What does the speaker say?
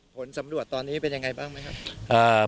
ผลสำรวจตอนนี้เป็นยังไงบ้างไหมครับ